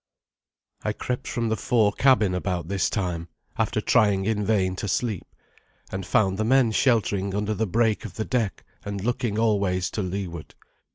I crept from the fore cabin about this time, after trying in vain to sleep, and found the men sheltering under the break of the deck and looking always to leeward.